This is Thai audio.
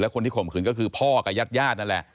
คนที่ข่มขืนก็คือพ่อกับญาติญาตินั่นแหละ